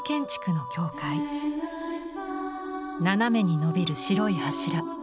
斜めにのびる白い柱。